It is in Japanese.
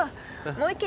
もう一軒？